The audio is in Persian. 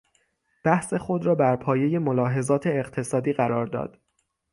بحث خود را بر پایهی ملاحظات اقتصادی قرار داد.